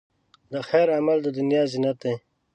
د خیر عمل، د دنیا زینت دی.